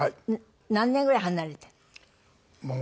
何年ぐらい離れてるの？